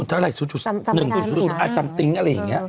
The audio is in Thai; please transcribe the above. ๐๐๐๑อะไรอย่างเงี่ย